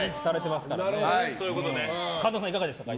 神田さん、いかがでしたか？